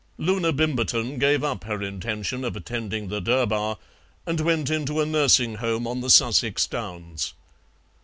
Loona Bimberton gave up her intention of attending the Durbar and went into a nursing home on the Sussex Downs.